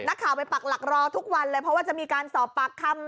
นักข่าวไปปักหลักรอทุกวันเลยเพราะว่าจะมีการสอบปากคำ